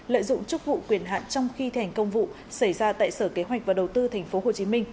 lợi dụng chức vụ quyền hạn trong khi thành công vụ xảy ra tại sở kế hoạch và đầu tư tp hcm